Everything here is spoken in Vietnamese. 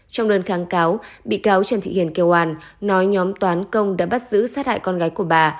trong đơn kháng cáo bị cáo trần thị hiền kêu an nói nhóm toán công đã bắt giữ sát hại con gái của bà